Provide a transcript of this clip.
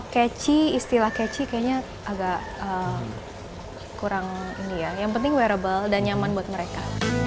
keci istilah keci kayaknya agak kurang ini ya yang penting wearable dan nyaman buat mereka